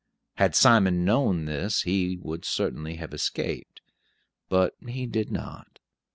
Had Simon known this he would certainly have escaped; but he did not.